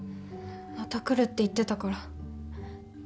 また来るって言ってたから。